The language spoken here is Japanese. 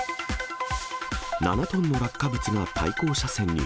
７トンの落下物が対向車線に。